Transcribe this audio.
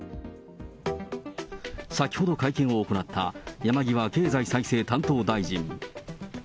先ほど会見を行った山際経済再生担当大臣。